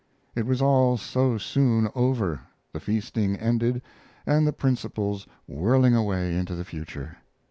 It was all so soon over, the feasting ended, and the principals whirling away into the future.